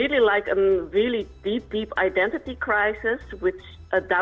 dan itu seperti krisis identitas yang sangat mendalam